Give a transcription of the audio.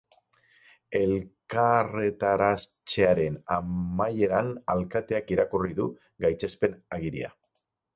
Elkarretaratzearen amaieran alkateak irakurri du gaitzespen agiria.